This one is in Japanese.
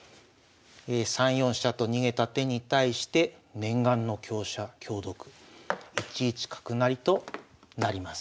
３四飛車と逃げた手に対して念願の香車香得１一角成となります。